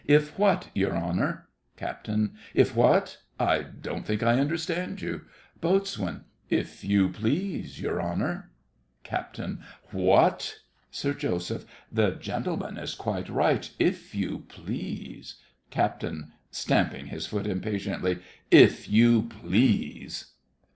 If what, your honour? CAPT. If what? I don't think I understand you. BOAT. If you please, your honour. CAPT. What! SIR JOSEPH. The gentleman is quite right. If you please. CAPT. (stamping his foot impatiently). If you please!